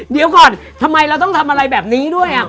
เดี๋ยวก่อนทำไมเราต้องทำอะไรแบบนี้ด้วย